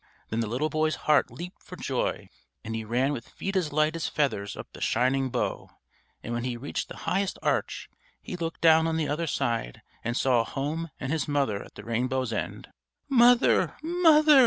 Then the little boy's heart leaped for joy, and he ran with feet as light as feathers up the shining bow; and when he reached the highest arch, he looked down on the other side and saw home and his mother at the rainbow's end. "Mother! Mother!"